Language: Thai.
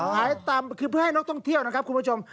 ต่ำคือเพื่อให้นักท่องเที่ยวนะครับคุณผู้ชม